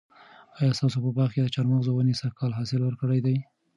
آیا ستاسو په باغ کې د چهارمغز ونې سږ کال حاصل ورکړی دی؟